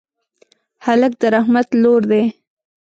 هلک د رحمت لور دی.